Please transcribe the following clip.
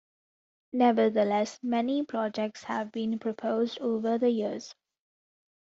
Nevertheless, many projects have been proposed over the years.